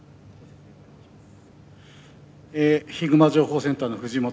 ヒグマ情報センターの藤本です。